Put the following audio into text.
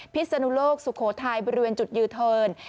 พิศนุโลกสุโขทายบริเวณจุดยืทร